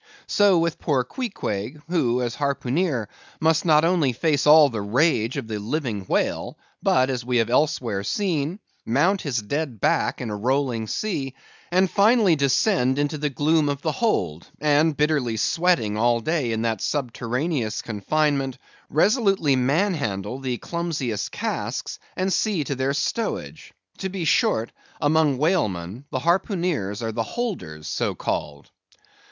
So with poor Queequeg, who, as harpooneer, must not only face all the rage of the living whale, but—as we have elsewhere seen—mount his dead back in a rolling sea; and finally descend into the gloom of the hold, and bitterly sweating all day in that subterraneous confinement, resolutely manhandle the clumsiest casks and see to their stowage. To be short, among whalemen, the harpooneers are the holders, so called.